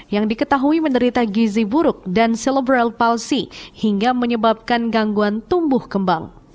yang diketahui menderita gizi buruk dan celebral palsi hingga menyebabkan gangguan tumbuh kembang